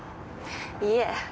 いえ。